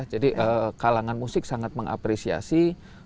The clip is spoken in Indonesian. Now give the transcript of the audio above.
kalangan musik sangat mengapresiasi